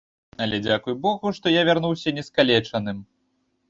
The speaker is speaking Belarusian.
Але дзякуй богу, што я вярнуўся не скалечаным.